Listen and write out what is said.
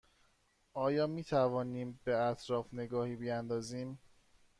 آیا می توانیم به اطراف نگاهی بیاندازیم؟